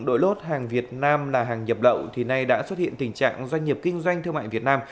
đội lốt hàng việt nam là hàng nhập lậu thì nay đã xuất hiện tình trạng doanh nghiệp kinh doanh thương mại việt nam